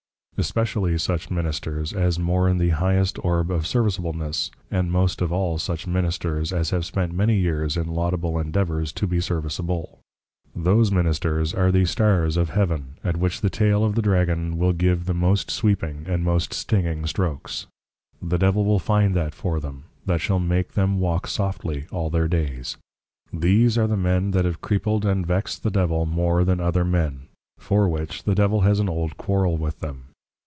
Especially such Ministers, as more in the highest Orb of Serviceableness; and most of all such Ministers as have spent many years in Laudable Endeavours to be serviceable; Those Ministers are the Stars of Heaven, at which the Tayl of the Dragon, will give the most sweeping and most stinging strokes; the Devil will find that for them, that shall make them Walk softly all their Days. These are the Men, that have creepled, and vexed the Devil more than other Men; for which the Devil has an old Quarrel with them.